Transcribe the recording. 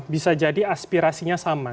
bisa jadi aspirasinya sama